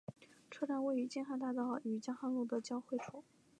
车站位于京汉大道与江汉路的交汇处。